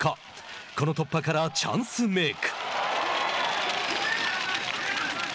この突破からチャンスメーク。